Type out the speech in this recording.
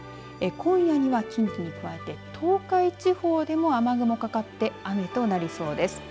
今夜には近畿に加えて東海地方でも雨雲かかって雨となりそうです。